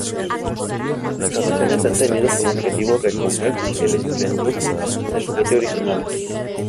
Las restauraciones han tenido por objetivo recobrar el esplendor del patio original.